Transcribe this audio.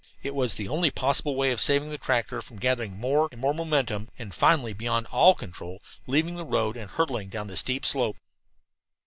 It was the only possible way of saving the tractor from gathering more and more momentum, and, finally beyond all control, leaving the road and hurtling down the steep slope.